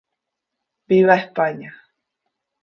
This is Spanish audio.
¡Viva España!